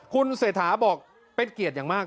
คุณเศรษฐาบอกเป็นเกียรติอย่างมาก